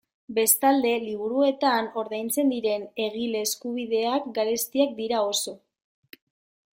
Bestalde, liburuetan ordaintzen diren egile eskubideak garestiak dira oso.